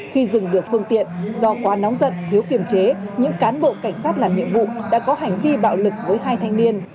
khi dừng được phương tiện do quá nóng giận thiếu kiềm chế những cán bộ cảnh sát làm nhiệm vụ đã có hành vi bạo lực với hai thanh niên